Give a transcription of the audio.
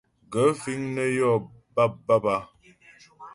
Gaə̂ fíŋ nə́ yó bâpbǎp a ?